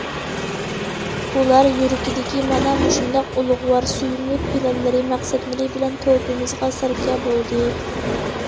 ئۇلار يۈرىكىدىكى مانا مۇشۇنداق ئۇلۇغۋار، سۆيۈملۈك پىلانلىرى، مەقسەتلىرى بىلەن توپىمىزغا سەركە بولدى.